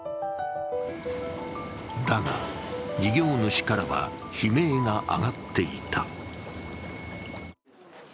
だが、事業主からは悲鳴が上がっていた。